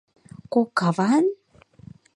— Кок каван?!